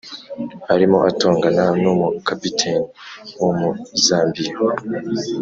arimo atongana n' umu capitaine w' umuzambiya!